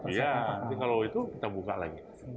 iya nanti kalau itu kita buka lagi